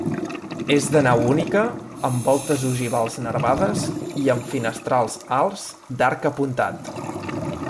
És de nau única, amb voltes ogivals nervades i amb finestrals alts d'arc apuntat.